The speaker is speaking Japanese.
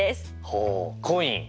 ほうコイン。